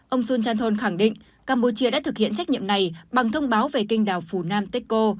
ông sun chanthol khẳng định campuchia đã thực hiện trách nhiệm này bằng thông báo về kênh đảo funanteko